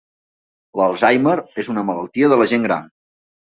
L'Alzheimer és una malaltia de la gent gran.